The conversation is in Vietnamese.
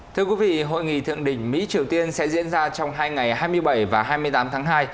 thưa quý vị hội nghị thượng đỉnh mỹ triều tiên sẽ diễn ra trong hai ngày hai mươi bảy và hai mươi tám tháng hai